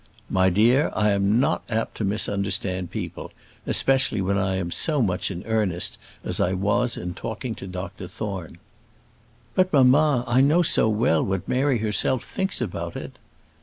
"My dear, I am not apt to misunderstand people; especially when I am so much in earnest as I was in talking to Dr Thorne." "But, mamma, I know so well what Mary herself thinks about it."